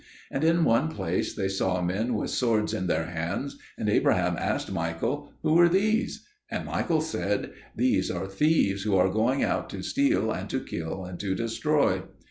And in one place they saw men with swords in their hands, and Abraham asked Michael, "Who are these?" And Michael said, "These are thieves who are going out to steal and to kill and to destroy."